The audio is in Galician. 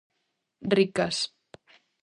Ricas.